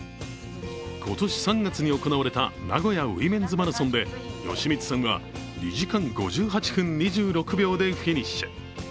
今年３月に行われた名古屋ウィメンズマラソンで吉光さんは２時間５８分２６秒でフィニッシュ。